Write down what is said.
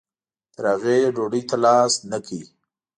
تر هغې یې ډوډۍ ته لاس نه کړ.